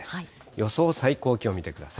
予想最高気温、見てください。